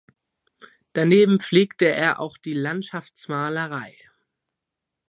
Daneben pflegte er auch die Landschaftsmalerei.